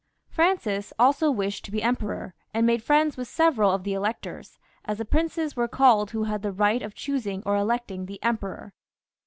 Francis also wished to be Emperor, and made friends with several of the electors, as the princes were called who had the right of choosing or electing the Emperor.